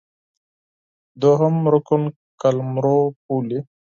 دوهم رکن قلمرو ، پولې